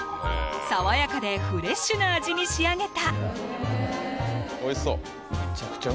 爽やかでフレッシュな味に仕上げた！